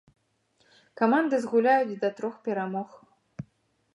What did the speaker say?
Каманды згуляюць да трох перамог.